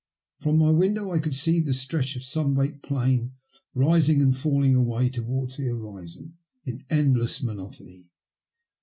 From my window I could see the stretch of sunbaked plain rising and falling away towards the horizon in endless monotony.